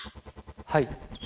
はい。